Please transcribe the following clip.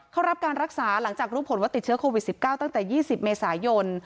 เขารับการรักษาหลังจากรู้ผลว่าติดเชื้อโควิด๑๙ตั้งแต่๒๐เมษายน